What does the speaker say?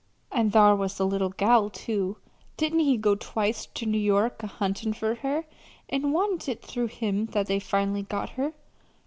An' thar was the little gal, too. Didn't he go twice ter New York a huntin' fur her, an' wa'n't it through him that they finally got her?